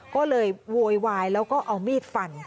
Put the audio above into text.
ก็เลยโวยวายแล้วก็เอามีดฟัน